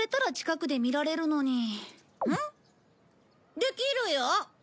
できるよ。